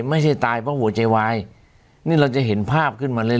ไม่ใช่ตายเพราะหัวใจวายนี่เราจะเห็นภาพขึ้นมาเลย